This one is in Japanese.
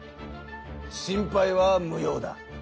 心配はむ用だ。